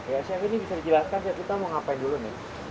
ya chef ini bisa dijelaskan ya kita mau ngapain dulu nih